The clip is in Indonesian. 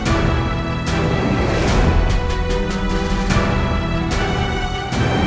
wahai penguasa di dalam kegelapan